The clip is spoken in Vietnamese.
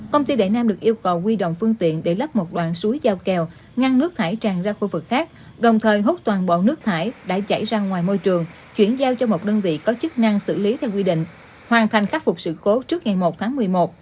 công ty đại nam được yêu cầu quy động phương tiện để lắp một đoạn suối giao kèo ngăn nước thải tràn ra khu vực khác đồng thời hốt toàn bộ nước thải đã chảy ra ngoài môi trường chuyển giao cho một đơn vị có chức năng xử lý theo quy định hoàn thành khắc phục sự cố trước ngày một tháng một mươi một